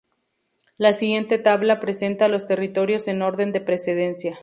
La siguiente tabla presenta los territorios en orden de precedencia.